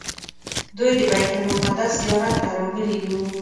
دوی د بیت المقدس زیارت ته راغلي وو.